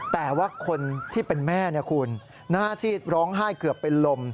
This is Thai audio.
แต่ว่าคนที่เป็นแม่คุณหน้าซีดร้องไห้เกือบเป็นลม